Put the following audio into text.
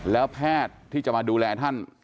แล้วแพทย์ที่จะมาดูแลท่าน